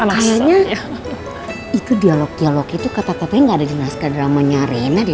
kayaknya itu dialog dialog itu kata katanya gak ada di naskah dramanya reina deh